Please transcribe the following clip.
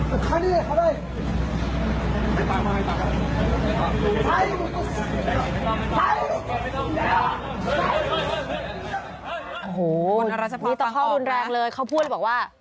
โอ้โหนี่ตะข้อรุนแรงเลยเขาพูดบอกว่า